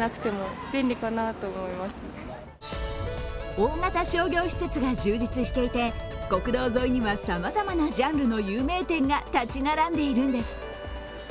大型商業施設が充実していて国道沿いにはさまざまなジャンルの有名店が立ち並んでいるんです。